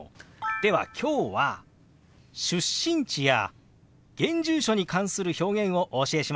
では今日は出身地や現住所に関する表現をお教えしましょう！